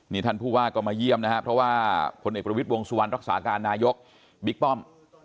นี่ท่านผู้ว่าก็มาเยี่ยมนะครับเพราะว่าพลเอกประวิทย์วงสุวรรณรักษาการนายกบิ๊กป้อม